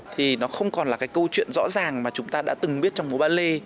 thì nó không còn là cái câu chuyện rõ ràng mà chúng ta đã từng biết trong vô bản